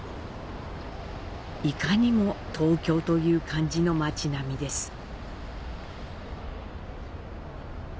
いかにも東京という感じの町並みです。